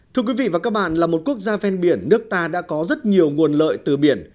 thưa quý vị và các bạn là một quốc gia ven biển nước ta đã có rất nhiều nguồn lợi từ biển